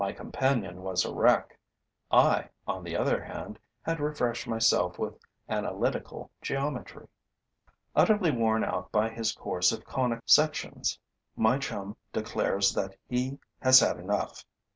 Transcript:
My companion was a wreck: I, on the other hand, had refreshed myself with analytical geometry. Utterly worn out by his course of conic sections, my chum declares that he has had enough.